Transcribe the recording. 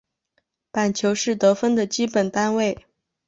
板球是得分的基本单位。